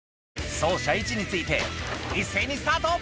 走者位置について一斉にスタート！